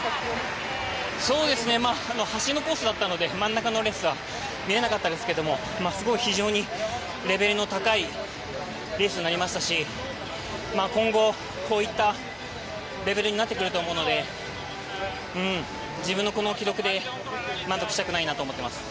端のコースだったので真ん中のレースは見えなかったんですけども非常にレベルの高いレースになりましたし今後、こういったレベルになってくると思うので自分のこの記録で満足したくないなと思います。